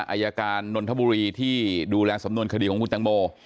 อายการนนทบุรีที่ดูแลสำนวนคดีของคุณตังโม